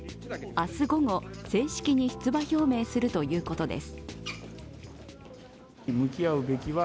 明日午後、正式に出馬表明するということです。